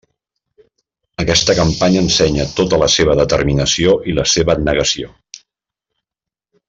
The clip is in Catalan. Aquesta campanya ensenya tota la seva determinació i la seva abnegació.